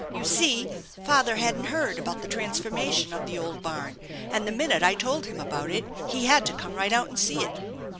"You see father hadn't heard about the transformation of the old barn, and the minute I told him about it he haa to come right out and see it."